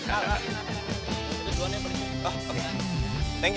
kita taruh kita hitung